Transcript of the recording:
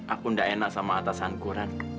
aku enggak enak sama atasan kurang